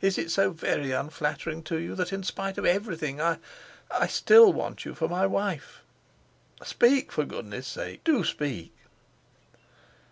Is it so very unflattering to you that in spite of everything I—I still want you for my wife? Speak, for Goodness' sake! do speak."